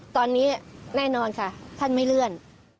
ตอนนี้แน่นอนค่ะท่านไม่เลื่อน